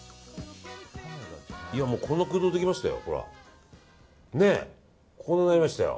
こんな空洞できましたよ。